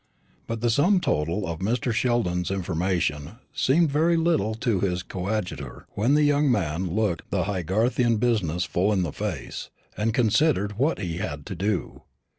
But the sum total of Mr. Sheldon's information seemed very little to his coadjutor when the young man looked the Haygarthian business full in the face and considered what he had to do.